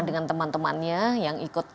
dengan teman temannya yang ikut